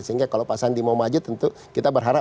sehingga kalau pak sandi mau maju tentu kita berharap